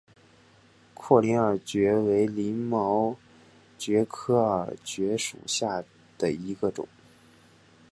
阔鳞耳蕨为鳞毛蕨科耳蕨属下的一个种。